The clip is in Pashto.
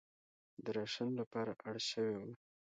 د راشن لپاره اړ شوې وه.